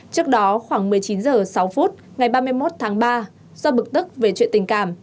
trước đó khoảng một mươi chín h sáu phút ngày ba mươi một tháng ba do bực tức về chuyện tình cảm